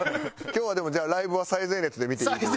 今日はでもじゃあライブは最前列で見ていい。